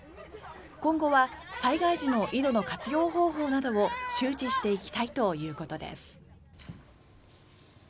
今後は災害時の井戸の活用方法などを周知していきたいということです。